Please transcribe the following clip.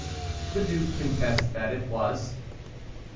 The duke confessed that it was.